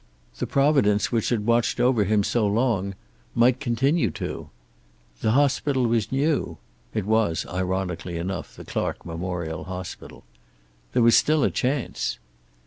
The providence which had watched over him for so long might continue to. The hospital was new. (It was, ironically enough, the Clark Memorial hospital.) There was still a chance.